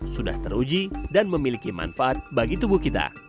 sudah teruji dan memiliki manfaat bagi tubuh kita